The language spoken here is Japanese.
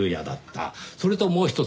それともうひとつ。